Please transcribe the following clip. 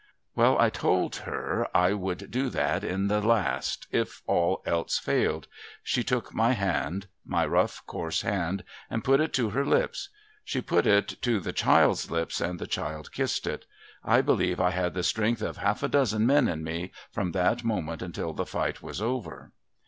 A\'ell ! I told her I would do that at the last, if all else failed. She took my hand — my rough, coarse hand — and put it to her lips. She i)ut it to the child's lips, and the child kissed it. I believe I had the strength of half a dozen men in me, from that moment, until the fight was over.